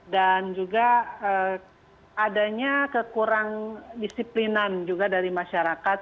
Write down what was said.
dan juga adanya kekurang disiplinan juga dari masyarakat